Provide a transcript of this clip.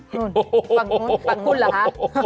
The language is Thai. ฝั่งคุณฝั่งคุณเหรอคะ